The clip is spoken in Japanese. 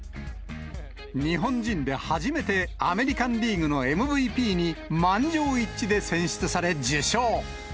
日本人で初めてアメリカンリーグのＭＶＰに、満場一致で選出され、受賞。